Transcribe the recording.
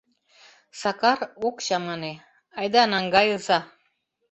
Сакар ок чамане: айда наҥгайыза.